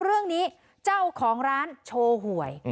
เรื่องนี้เจ้าของร้านโชว์หวย